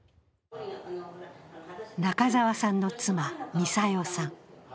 中沢さんの妻、ミサヨさん。